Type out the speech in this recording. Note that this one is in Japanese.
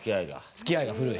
付き合いが古い？